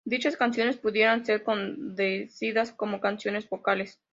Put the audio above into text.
Dichas canciones pudieron ser concebidas como canciones vocales.